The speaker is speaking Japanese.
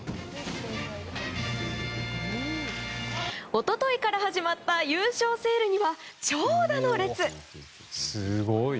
一昨日から始まった優勝セールには、長蛇の列。